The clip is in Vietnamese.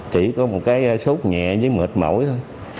chỉ có một cái sốt nhẹ với mệt mỏi thôi